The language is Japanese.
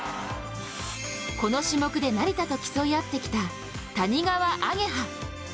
この種目で成田と競い合ってきた谷川亜華葉。